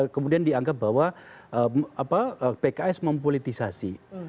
kemudian dianggap bahwa pks mempolitisasi